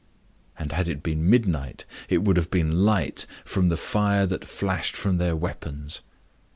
And had it been midnight, it would have been light, from the fire that flashed from their weapons.